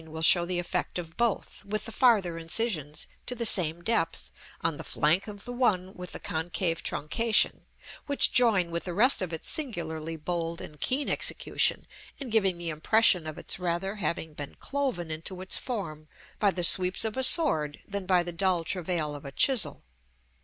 will show the effect of both, with the farther incisions, to the same depth, on the flank of the one with the concave truncation, which join with the rest of its singularly bold and keen execution in giving the impression of its rather having been cloven into its form by the sweeps of a sword, than by the dull travail of a chisel.